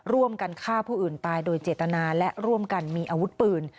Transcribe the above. ร่วมกันฆ่าผู้อื่นตายโดยเจตนาและร่วมกันมีอาวุธปืน